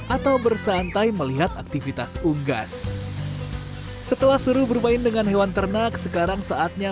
atau bersantai melihat aktivitas unggas setelah seru bermain dengan hewan ternak sekarang saatnya